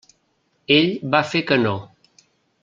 Ell va fer que no.